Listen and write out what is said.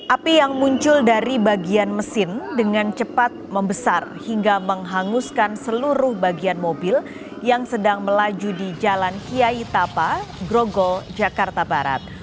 api yang muncul dari bagian mesin dengan cepat membesar hingga menghanguskan seluruh bagian mobil yang sedang melaju di jalan kiai tapa grogol jakarta barat